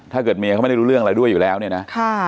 ถ้าเกิดเมียเขาไม่ได้รู้เรื่องอะไรด้วยอยู่แล้วเนี่ยนะ